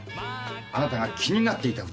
あなたが気になっていた歌。